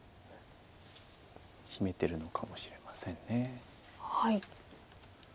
秘めてるのかもしれません。